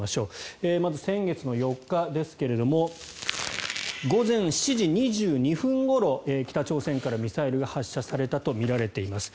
先月４日ですが午前７時２２分ごろ、北朝鮮からミサイルが発射されたとみられています。